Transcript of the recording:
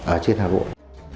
ở trên hà nội